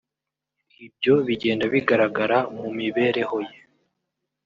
Ibyo bigenda bigaragara mu mibereho ye